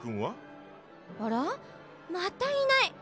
あら？またいない。